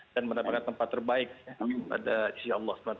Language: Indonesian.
dan mendapatkan tempat terbaik pada insya allah swt